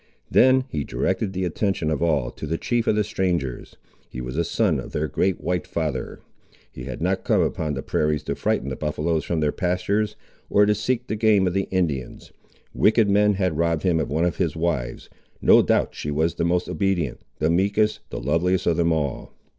Then he directed the attention of all to the chief of the strangers. He was a son of their great white father. He had not come upon the prairies to frighten the buffaloes from their pastures, or to seek the game of the Indians. Wicked men had robbed him of one of his wives; no doubt she was the most obedient, the meekest, the loveliest of them all.